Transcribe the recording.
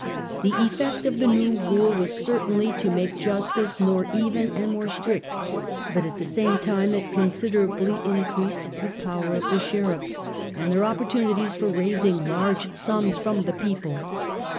The effect of the new rule was certainly to make justice more even and more strict, but at the same time it con siderably increased the power of the sheriffs and their opportunities for raising large sums from the people.